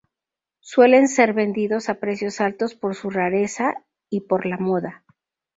Suelen ser vendidos a precios altos por su rareza y por la moda.